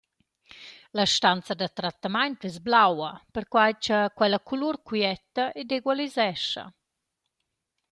La stanza da trattamaint es blaua, perquai cha quella culur quietta ed egualisescha.